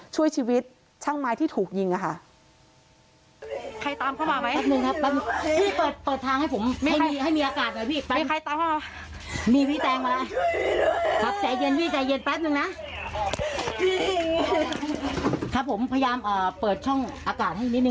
ช่วยชีวิตช่างไม้ที่ถูกยิงค่ะ